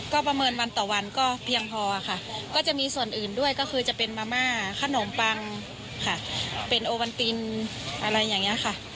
ก็ประเมินวันต่อวันก็เพียงพอค่ะก็จะมีส่วนอื่นด้วยก็คือจะเป็นมาม่าขนมปังค่ะเป็นโอวันตินอะไรอย่างนี้ค่ะ